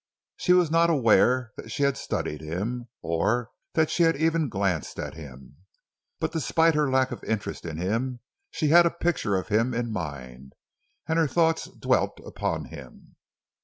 She was not aware that she had studied him, or that she had even glanced at him. But despite her lack of interest in him she had a picture of him in mind, and her thoughts dwelt upon him.